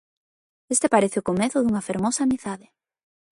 Este parece o comezo dunha fermosa amizade.